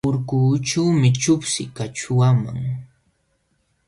Urkuućhuumi chuspi kaćhuuman.